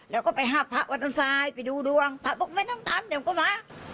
แล้วก็ไปห้าพ่อวัฒนศัยไปดูดวงพ่อบอกไม่ต้องตามเดี๋ยวก็มา